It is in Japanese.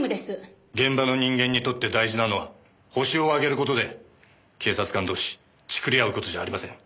現場の人間にとって大事なのは犯人を挙げる事で警察官同士チクりあう事じゃありません。